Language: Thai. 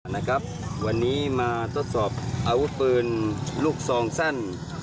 นะครับวันนี้มาทดสอบอาวุธปืนลูกซองสั้น